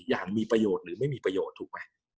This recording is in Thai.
อย่างมีประโยชน์หรือไม่มีประโยชน์ถูกไหม